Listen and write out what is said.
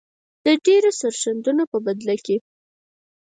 د ډیرو سرښندنو په بدله کې.